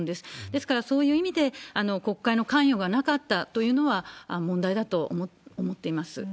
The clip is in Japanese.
ですから、そういう意味で、国会の関与がなかったというのは問題だと思っています。